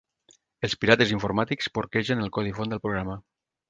Els pirates informàtics porquegen el codi font del programa.